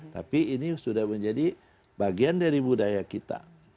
tapi ini sudah menjadi bagian dari budaya kita